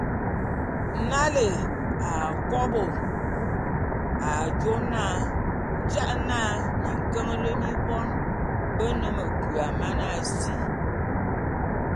Nalé a kôbô jô na ja’ana minkeñelé mi bon be ne mekua mana si,